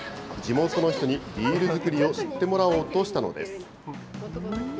地元の人にビール造りを知ってもらおうとしたのです。